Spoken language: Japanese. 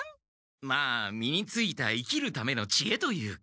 まあ身についた生きるための知恵というか。